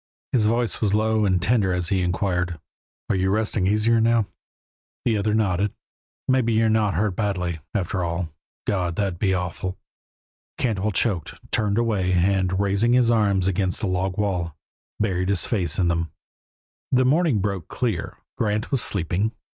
His voice was low and tender as he inquired, "Are you resting easier now?" The other nodded. "Maybe you're not hurt badly, after all. God! That would be awful " Cantwell choked, turned away, and, raising his arms against the log wall, buried his face in them. The morning broke clear; Grant was sleeping.